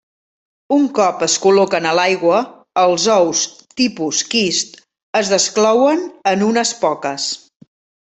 Un cop es col·loquen a l'aigua, els ous tipus quist es desclouen en unes poques.